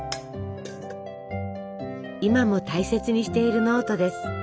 今も大切にしているノートです。